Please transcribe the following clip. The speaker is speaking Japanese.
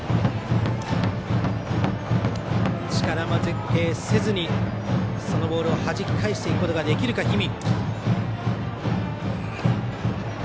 力負けせずに、そのボールをはじき返していくことができるか氷見。